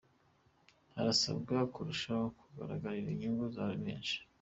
Harasabwa kurushaho guhagararira inyungu za benshi.